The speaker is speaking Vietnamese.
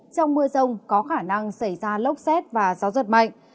trong mưa rông có khả năng xảy ra lốc xét và gió giật mạnh